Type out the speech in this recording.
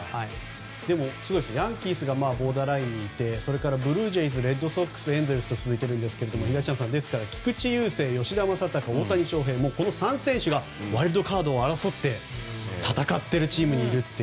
でも、ヤンキースがボーダーラインにいてブルージェイズ、レッドソックスエンゼルスと続いていますが東山さん菊池雄星、吉田正尚大谷翔平、この３選手がワイルドカードを争って戦っているチームにいると。